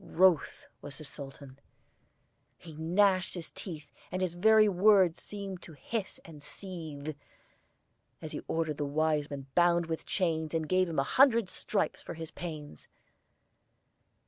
Wroth was the Sultan; he gnashed his teeth, And his very words seemed to hiss and seethe, As he ordered the Wiseman bound with chains, And gave him a hundred stripes for his pains.